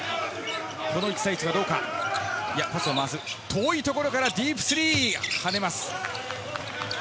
遠いところからディープスリー、跳ねます。